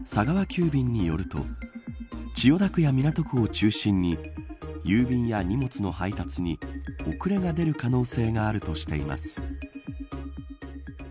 急便によると千代田区や港区を中心に郵便や荷物の配達に遅れが出る可能性があるとしています。